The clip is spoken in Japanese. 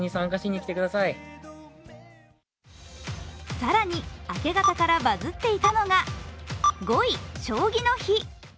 更に明け方からバズっていたのが５位、将棋の日。